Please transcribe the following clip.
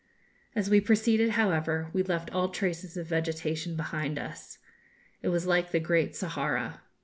As we proceeded, however, we left all traces of vegetation behind us. It was like the Great Sahara.